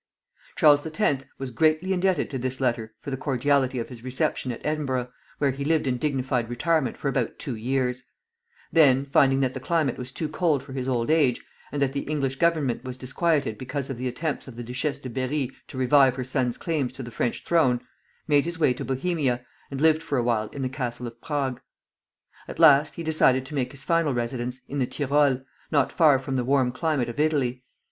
Charles X. was greatly indebted to this letter for the cordiality of his reception at Edinburgh, where he lived in dignified retirement for about two years; then, finding that the climate was too cold for his old age, and that the English Government was disquieted because of the attempts of the Duchesse de Berri to revive her son's claims to the French throne, he made his way to Bohemia, and lived for a while in the Castle of Prague. At last he decided to make his final residence in the Tyrol, not far from the warm climate of Italy.